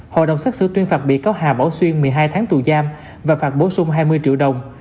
hội đồng xác xử tuyên phạt bị cáo hà bảo xuyên một mươi hai tháng tù giam và phạt bổ sung hai mươi triệu đồng